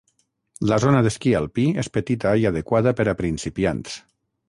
La zona d'esquí alpí és petita i adequada per a principiants.